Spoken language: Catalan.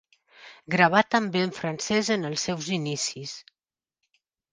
Gravà també en francès en els seus inicis.